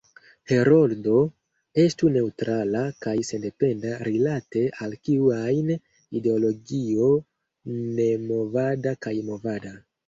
“Heroldo“ estu neŭtrala kaj sendependa rilate al kiu ajn ideologio nemovada kaj movada.